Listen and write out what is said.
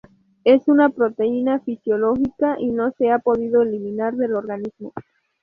Es una proteína fisiológica y no se ha podido eliminar del organismo.